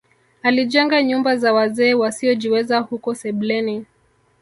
Alijenga nyumba za wazee wasiojiweza huko sebleni